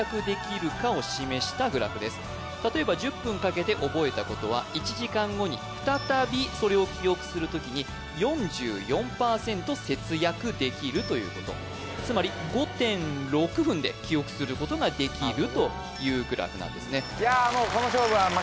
例えば１０分かけて覚えたことは１時間後に再びそれを記憶する時に４４％節約できるということつまり５．６分で記憶することができるというグラフなんですねいや